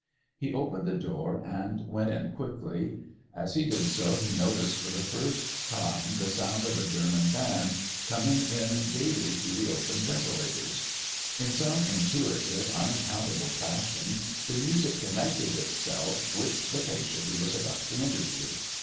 He opened the door and went in quickly. As he did so he noticed for the first time the sound of a German band coming in gaily through the open ventilators. In some intuitive, unaccountable fashion the music connected itself with the patient he was about to interview.